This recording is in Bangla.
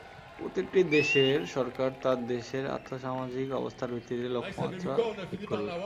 প্রতিটি দেশের সরকার তার দেশের আর্থসামাজিক অবস্থার ভিত্তিতে লক্ষ্যমাত্রা ঠিক করবে।